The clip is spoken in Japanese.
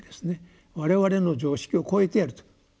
我々の常識を超えていると。